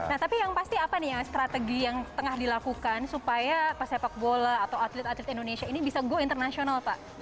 nah tapi yang pasti apa nih ya strategi yang tengah dilakukan supaya pesepak bola atau atlet atlet indonesia ini bisa go internasional pak